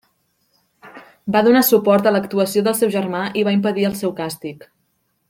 Va donar suport a l'actuació del seu germà i va impedir el seu càstig.